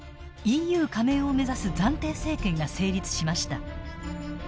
ＥＵ加盟を目指す暫定政権が成立しました。